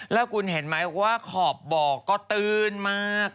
แล้วคุณเห็นไหมว่าขอบบ่อก็ตื้นมาก